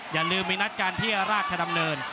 อย่าลืมมีนัดการเที่ยวราชดำเนิน